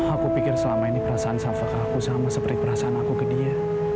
aku pikir selama ini perasaan safakah aku sama seperti perasaan aku ke dia